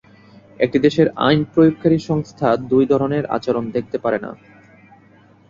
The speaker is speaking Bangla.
একটি দেশের আইন প্রয়োগকারী সংস্থা দুই ধরনের আচরণ দেখাতে পারে না।